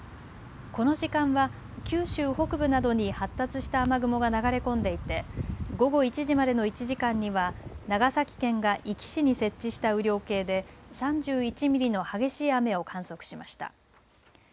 この時間は九州北部などに発達した雨雲が流れ込んでいて午後１時までの１時間には長崎県が壱岐市に設置した雨量計で３１ミリの激しい雨を観測しました。